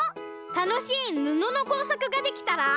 たのしいぬののこうさくができたら。